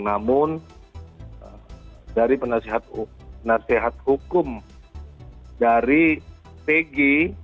namun dari penasehat hukum dari tg